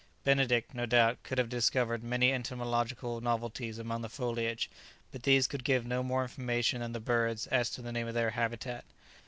Benedict, no doubt, could have discovered many entomological novelties amongst the foliage, but these could give no more information than the birds as to the name of their habitat.